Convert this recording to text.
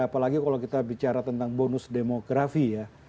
apalagi kalau kita bicara tentang bonus demografi ya